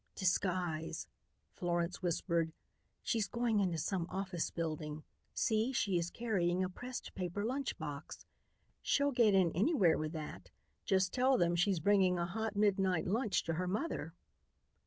"Disguise," Florence whispered. "She's going into some office building. See, she is carrying a pressed paper lunch box. She'll get in anywhere with that; just tell them she's bringing a hot midnight lunch to her mother.